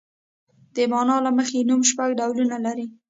د مانا له مخې نوم شپږ ډولونه لري.